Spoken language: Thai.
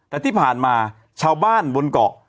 แต่ที่ผ่านมาชาวบ้านบนเกาะ